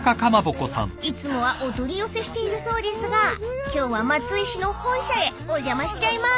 ［いつもはお取り寄せしているそうですが今日は松江市の本社へお邪魔しちゃいます］